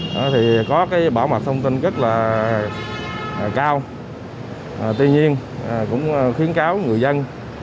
căn cứ công dân có bảo mật thông tin rất cao tuy nhiên cũng khuyến cáo người dân